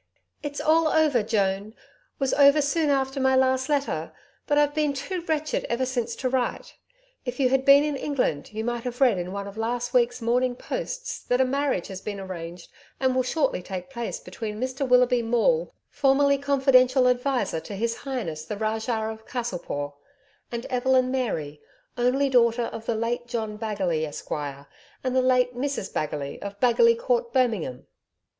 'It's all over, Joan was over soon after my last letter, but I've been too wretched ever since to write. If you had been in England you might have read in one of last week's "MORNING POST'S" that a marriage has been arranged and will shortly take place between Mr Willoughby Maule, formerly confidential adviser to His Highness the Rajah of Kasalpore and Evelyn Mary, only daughter of the late John Bagallay, Esq, and the late Mrs Bagally of Bagallay Court, Birmingham.